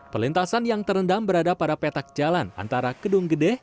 pelintasan yang terendam berada pada petak jalan antara kedung gede